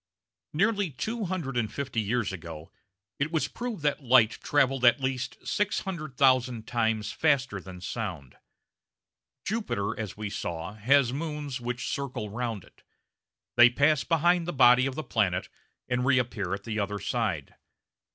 Nearly two hundred and fifty years ago it was proved that light travelled at least 600,000 times faster than sound. Jupiter, as we saw, has moons, which circle round it. They pass behind the body of the planet, and reappear at the other side.